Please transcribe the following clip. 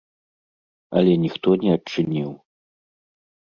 Але ніхто не адчыніў.